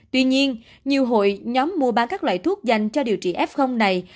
tuy nhiên nhiều hội nhóm mua bán các loại thuốc dành cho điều trị f này